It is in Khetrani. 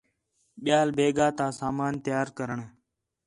ٻِیال بیگھا تا سامان تیار کرݨ